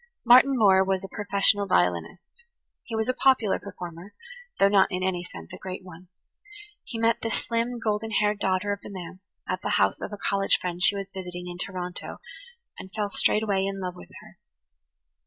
Martin Moore was a professional violinist. He was a popular performer, though not in any sense a great one. He met the slim, golden haired daugh [Page 93] ter of the manse at the house of a college friend she was visiting in Toronto, and fell straightway in love with her.